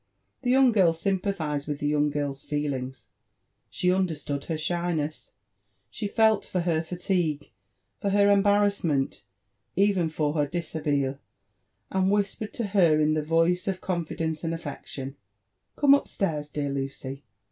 The young girl sympathised with the young girl's feelings ; she under Stood her shyness — she felt for her fatigue, for her embarrassment, even for her dishabille, and whispered to her in the voice of confidence and affection, Gome upstairs, dear Lucy